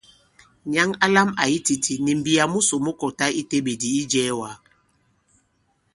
Nyǎŋ a lām àyi titī, nì m̀mbìyà musò mu kɔtā i teɓèdì̀ i ijɛ̄ɛ̄wàgà.